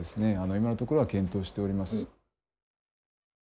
今のところは検討しておりません。